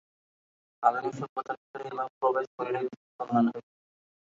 আধুনিক সভ্যতার ভিতরে এই ভাব প্রবেশ করিলে বিশেষ কল্যাণ হইবে।